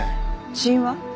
死因は？